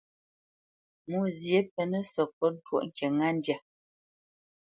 Mwôzyě pɛnǝ́ sǝkôt twóʼ ŋkǐ ŋá ndyâ.